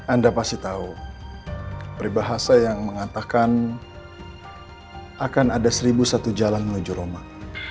anda pasti tahu peribahasa yang mengatakan akan ada seribu satu jalan menuju roma